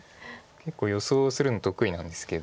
結構予想するの得意なんですけど。